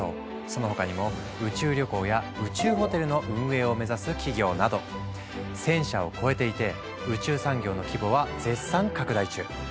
その他にも宇宙旅行や宇宙ホテルの運営を目指す企業など１，０００社を超えていて宇宙産業の規模は絶賛拡大中。